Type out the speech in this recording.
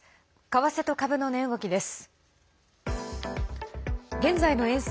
為替と株の値動きです。